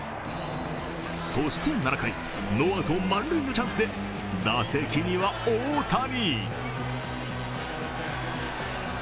そして７回、ノーアウト満塁のチャンスで打席には大谷。